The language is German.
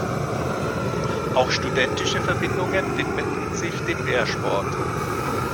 Auch studentische Verbindungen widmeten sich dem Wehrsport.